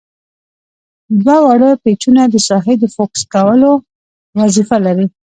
دوه واړه پیچونه د ساحې د فوکس کولو وظیفه لري.